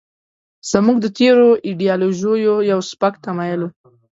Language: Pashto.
زموږ د تېرو ایډیالوژیو یو سپک تمایل و.